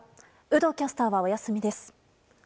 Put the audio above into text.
有働キャスターはお休みです。